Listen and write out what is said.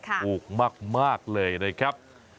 ถูกมากเลยนะครับ